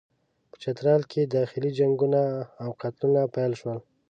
په چترال کې داخلي جنګونه او قتلونه پیل شول.